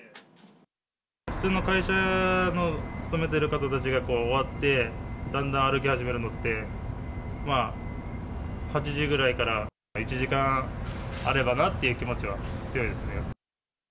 普通の会社の、勤めている方たちが終わって、だんだん歩き始めるのって、まあ８時ぐらいから１時間あればなっていう気持ちは強いですね。